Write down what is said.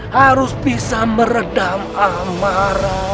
harus bisa meredam amarah